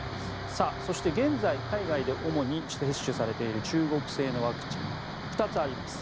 そして、現在海外で主に接種されている中国製のワクチン２つあります。